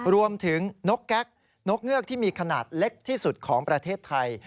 นกแก๊กนกเงือกที่มีขนาดเล็กที่สุดของประเทศไทย